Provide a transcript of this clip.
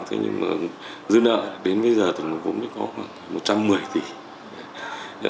thế nhưng mà dư nợ đến bây giờ tổng nguồn vốn có khoảng một trăm một mươi tỷ